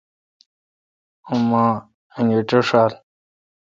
اوما انگیٹھ ݭال۔